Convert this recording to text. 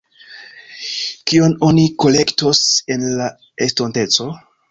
Kion oni kolektos en la estonteco?